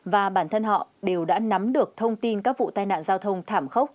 và bản thân họ đều đã nắm được thông tin các vụ tai nạn giao thông thảm khốc